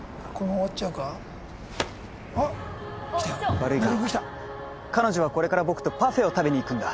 悪いが彼女はこれから僕とパフェを食べに行くんだ。